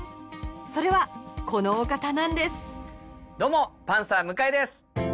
それはこのお方なんですどうもパンサー・向井です。